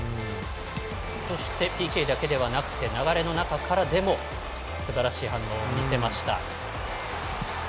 そしてＰＫだけではなくて流れの中からでもすばらしい反応を見せました。